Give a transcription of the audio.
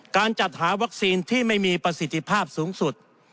การจัดหาวัคซีนที่ไม่มีประสิทธิภาพสูงสุด